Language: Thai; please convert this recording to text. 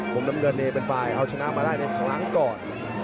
ผมนำเงินเรย์เป็นปลายเอาชนะมาได้ในครั้งก่อน